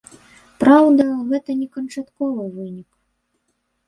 Праўда, гэта не канчатковы вынік.